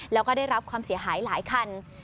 แล้วก็ได้รับความเสียหายหลายคัน